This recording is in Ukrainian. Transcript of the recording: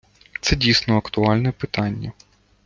Це дійсно актуальне питання.